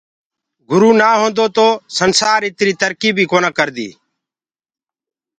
گُرو نآ هوندو تو دنيآ اِتري ترڪي بي ڪونآ ڪردي۔